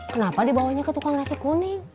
kenapa dibawanya ke tukang nasi kuning